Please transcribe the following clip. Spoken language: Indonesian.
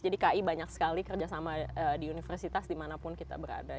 karena banyak sekali kerjasama di universitas dimanapun kita berada